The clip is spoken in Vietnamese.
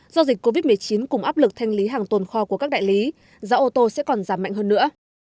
do dịch covid một mươi chín cùng áp lực thanh lý hàng tồn kho của các đại lý giá ô tô sẽ còn giảm mạnh hơn nữa